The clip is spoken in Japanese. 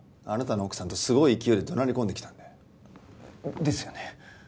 あなたの奥さんとすごい勢いで怒鳴り込んできたんで。ですよね。